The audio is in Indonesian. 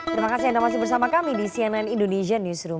terima kasih anda masih bersama kami di cnn indonesian newsroom